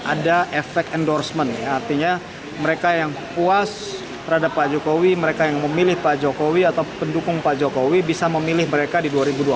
ada efek endorsement artinya mereka yang puas terhadap pak jokowi mereka yang memilih pak jokowi atau pendukung pak jokowi bisa memilih mereka di dua ribu dua puluh